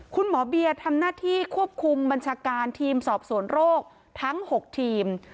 คุณหมอเบียร์ทำหน้าที่ควบคุมบัญชาการทีมสอบสวนโรคทั้ง๖ทีม